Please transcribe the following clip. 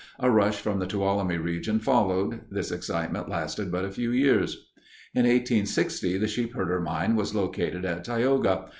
A rush from the Tuolumne Region followed. This excitement lasted but a few years. In 1860 the Sheepherder Mine was located at Tioga.